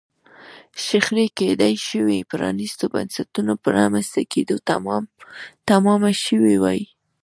شخړې کېدای شوای پرانیستو بنسټونو په رامنځته کېدو تمامه شوې وای.